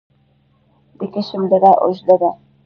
د کشم دره اوږده ده